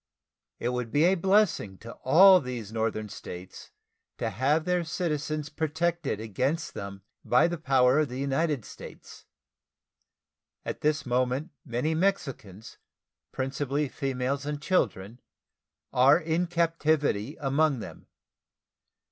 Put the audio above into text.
It would be a blessing to all these northern States to have their citizens protected against them by the power of the United States. At this moment many Mexicans, principally females and children, are in captivity among them.